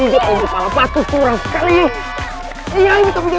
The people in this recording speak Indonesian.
lo sengaja kan mau pepetin gue